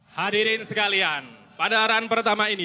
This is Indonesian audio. hadirin sekalian pada run pertama ini